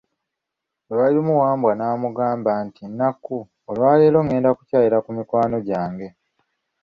Lwali lumu Wambwa n'amugamba nti, Nakku, olwaleero ngenda kukyalira ku mikwano gyange.